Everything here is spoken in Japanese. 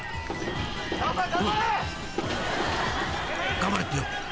［頑張れってよ］